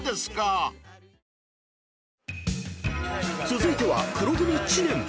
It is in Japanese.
［続いては黒組知念］